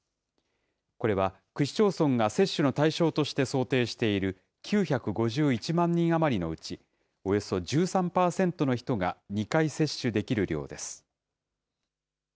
これは区市町村が接種の対象として想定している９５１万人余りのうち、およそ１３％の人が２回接種できる量です。